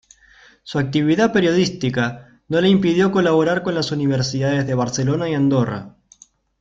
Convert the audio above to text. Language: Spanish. Su actividad periodística no le impidió colaborar con las Universidades de Barcelona y Andorra.